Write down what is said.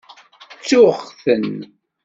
Ttuɣ-ten.